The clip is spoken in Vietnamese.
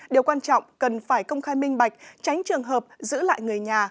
điều quan trọng cần phải công khai minh bạch tránh trường hợp giữ lại người nhà